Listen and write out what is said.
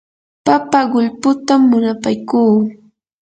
papa qullputa munapaykuu.